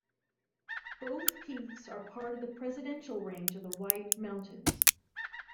Both peaks are part of the Presidential Range of the White Mountains.